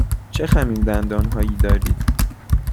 چه خمیردندان هایی دارید؟